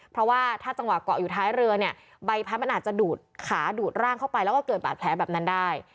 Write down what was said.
เพราะว่าถ้าจังหวะเกาะอยู่ท้ายเรือเนี่ยใบพัดมันอาจจะดูดขาดูดร่างเข้าไปแล้วก็เกิดบาดแผลแบบนั้นได้